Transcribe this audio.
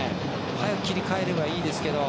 早く切り替えられればいいですけど。